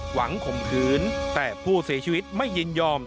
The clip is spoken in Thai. ข่มขืนแต่ผู้เสียชีวิตไม่ยินยอม